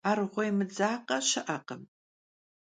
Arğuêy mıdzakhe şı'ekhım.